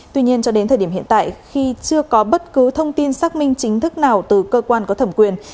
tuy nhiên cho đến thời điểm hiện tại khi chưa có bất cứ thông tin xác minh chính thức nào từ cơ quan có thẩm quyền